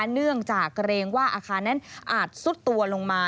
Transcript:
เนื่องจากเกรงว่าอาคารนั้นอาจซุดตัวลงมา